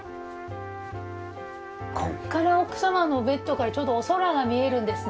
ここから奥様のベッドからちょうどお空が見えるんですね。